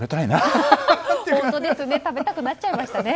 食べたくなっちゃいましたね。